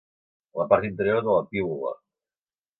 La part interior de la piula.